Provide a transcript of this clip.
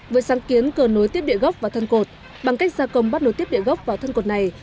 với sáng kiến cờ nối tiếp địa gốc vào thân cột bằng cách gia công bắt nối tiếp địa gốc vào thân cột này